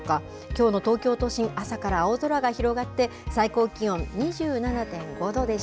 きょうの東京都心、朝から青空が広がって、最高気温２７．５度で